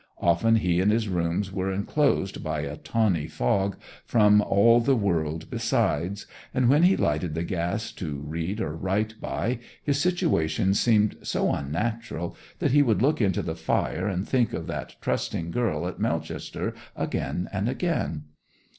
Often he and his rooms were enclosed by a tawny fog from all the world besides, and when he lighted the gas to read or write by, his situation seemed so unnatural that he would look into the fire and think of that trusting girl at Melchester again and again.